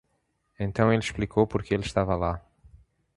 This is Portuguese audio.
Então ele explicou por que ele estava lá.